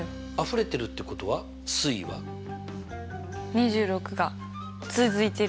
２６が続いてる？